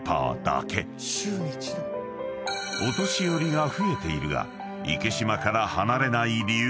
［お年寄りが増えているが池島から離れない理由